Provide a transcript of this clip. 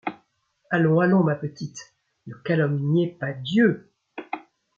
Allons, allons, ma petite, ne calomniez pas Dieu !